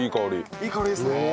いい香りですね。